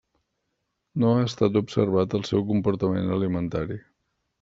No ha estat observat el seu comportament alimentari.